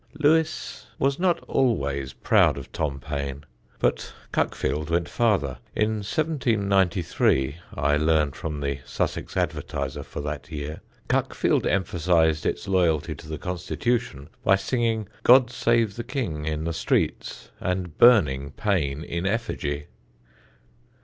Lewes was not always proud of Tom Paine; but Cuckfield went farther. In 1793, I learn from the Sussex Advertiser for that year, Cuckfield emphasised its loyalty to the constitution by singing "God save the King" in the streets and burning Paine in effigy.